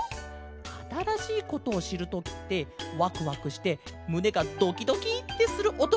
あたらしいことをしるときってワクワクしてむねがドキドキってするおとがきこえるケロ。